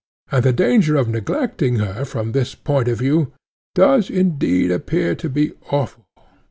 And the danger of neglecting her from this point of view does indeed appear to be awful.